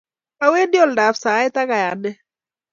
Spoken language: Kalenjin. awendi oldab saet ak kayanet